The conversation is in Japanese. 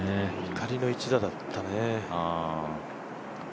怒りの一打だったね。